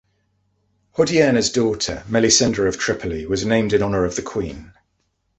Hodierna's daughter, Melisende of Tripoli, was named in honor of the queen.